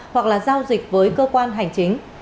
hoặc là giao dịch với cơ quan hành chính